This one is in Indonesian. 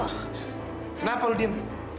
kenapa lo diam